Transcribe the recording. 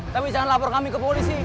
tapi jangan lapor kami ke polisi